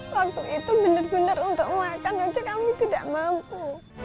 waktu itu benar benar untuk makan saja kami tidak mampu